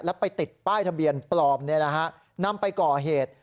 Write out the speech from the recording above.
แล้วไปติดป้ายทะเบียนปลอมนำไปก่อเหตุ